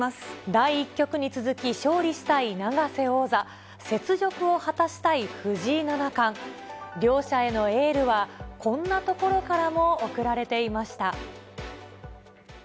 第１局に続き勝利したい永瀬王座、雪辱を果たしたい藤井七冠。両者へのエールは、こんなところからも送られていました。